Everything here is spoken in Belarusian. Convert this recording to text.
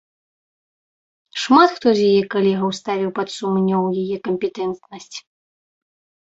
Шмат хто з яе калегаў ставіў пад сумнеў яе кампетэнтнасць.